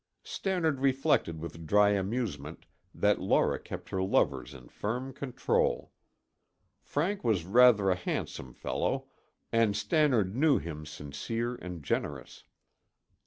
Stannard reflected with dry amusement that Laura kept her lovers in firm control. Frank was rather a handsome fellow and Stannard knew him sincere and generous.